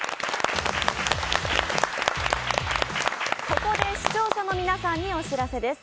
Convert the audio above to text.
ここで視聴者の皆さんにお知らせです。